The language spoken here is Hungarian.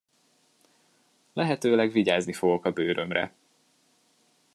Lehetőleg vigyázni fogok a bőrömre.